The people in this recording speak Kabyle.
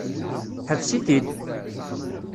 Ḥbes-it-id!